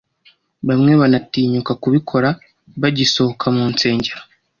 bamwe banatinyuka kubikora bagisohoka mu nsengero